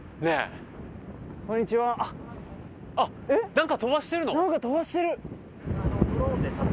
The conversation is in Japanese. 何か飛ばしてる！